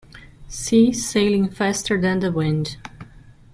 See "Sailing faster than the wind".